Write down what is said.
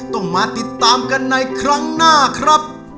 ต้องมาติดตามกันในครั้งหน้าครับ